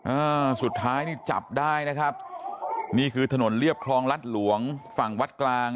อ่าสุดท้ายนี่จับได้นะครับนี่คือถนนเรียบคลองรัฐหลวงฝั่งวัดกลาง